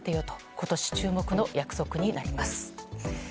今年注目の約束になります。